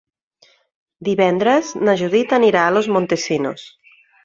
Divendres na Judit anirà a Los Montesinos.